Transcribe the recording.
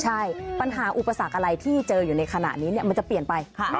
ใช่ปัญหาอุปสรรคอะไรที่เจออยู่ในขณะนี้มันจะเปลี่ยนไป